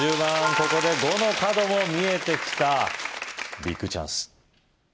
ここで５の角も見えてきたビッグチャンス